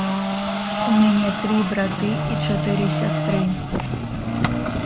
У мяне тры браты і чатыры сястры.